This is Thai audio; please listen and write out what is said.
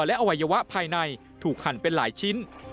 และอวัยวะภายในถูกหั่นเป็นหลายชิ้น